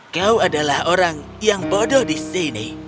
kau adalah orang yang bodoh di sini